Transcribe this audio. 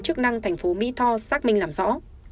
chức năng thành phố mỹ tho xác minh làm rõ